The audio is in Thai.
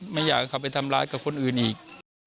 ไม่อยากให้เขาไปทำร้ายกับคนอื่นอีก